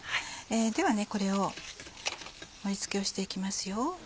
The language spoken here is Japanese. ではこれを盛り付けをしていきますよ。